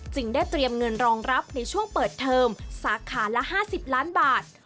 ได้เตรียมเงินรองรับในช่วงเปิดเทอมสาขาละ๕๐ล้านบาท